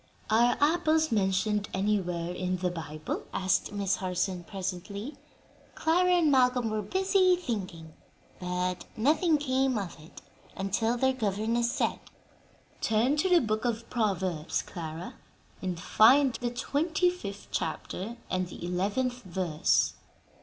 "Are apples mentioned anywhere in the Bible?" asked Miss Harson, presently. Clara and Malcolm were busy thinking, but nothing came of it, until their governess said, "Turn to the book of Proverbs, Clara, and find the twenty fifth chapter and the eleventh verse."